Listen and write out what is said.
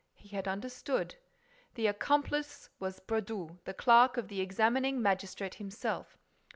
He had understood: the accomplice was Brédoux, the clerk of the examining magistrate himself.